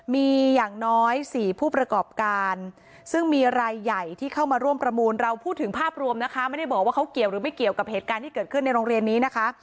มีอย่างน้อย๔ผู้ประกอบการซึ่งมีรายใหญ่ที่เข้ามาร่วมประมูลเราพูดถึงภาพรวมนะคะไม่ได้บอกว่าเขาเกี่ยวหรือไม่เกี่ยวกับเหตุการณ์ที่เกิดขึ้นในโรงเรียนนี้นะคะ